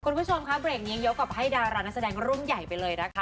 คุณผู้ชมค่ะเบรกนี้ยกกับให้ดารานักแสดงรุ่นใหญ่ไปเลยนะคะ